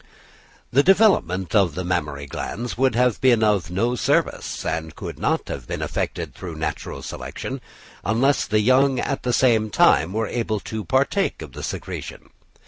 The development of the mammary glands would have been of no service, and could not have been affected through natural selection, unless the young at the same time were able to partake of the secretion.